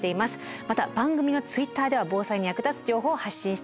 また番組のＴｗｉｔｔｅｒでは防災に役立つ情報を発信しています。